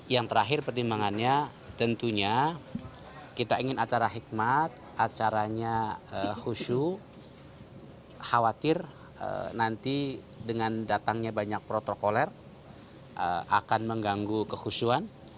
yang terakhir pertimbangannya tentunya kita ingin acara hikmat acaranya khusyuk khawatir nanti dengan datangnya banyak protokoler akan mengganggu kehusuan